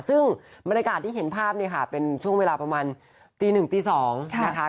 ซึ่งบรรยากาศที่เห็นภาพเนี่ยค่ะเป็นช่วงเวลาประมาณตีหนึ่งตี๒นะคะ